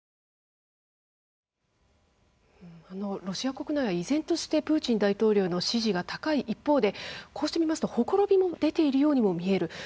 ロシア国内、依然としてプーチン大統領の支持が高い一方でこうしてみますと、ほころびも出ているようにも見える。